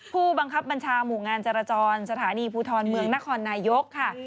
ผู้บังคับบัญชาหมู่งานจราจรสถานีภูทรเมืองนครนายกค่ะ